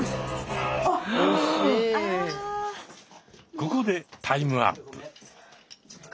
ここでタイムアップ。